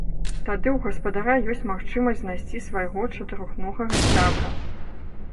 Тады ў гаспадара ёсць магчымасць знайсці свайго чатырохногага сябра.